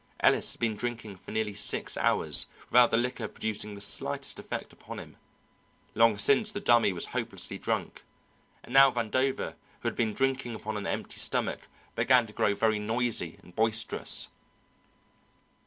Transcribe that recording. Ellis had been drinking for nearly six hours, without the liquor producing the slightest effect upon him; long since, the Dummy was hopelessly drunk; and now Vandover, who had been drinking upon an empty stomach, began to grow very noisy and boisterous.